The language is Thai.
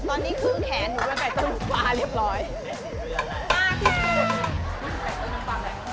โอ้ยมันดีจ